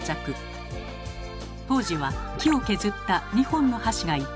当時は木を削った２本の箸が一般的でした。